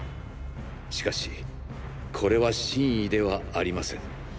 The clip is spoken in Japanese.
しかしこれは真意ではありません。